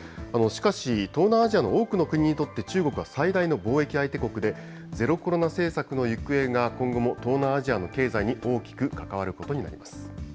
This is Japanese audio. しかし、東南アジアの多くの国にとって中国は最大の貿易相手国で、ゼロコロナ政策の行方が今後も東南アジアの経済に大きく関わることになります。